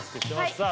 さあ